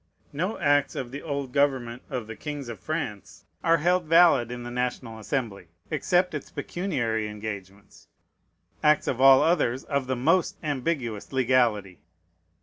No acts of the old government of the kings of France are held valid in the National Assembly, except its pecuniary engagements: acts of all others of the most ambiguous legality.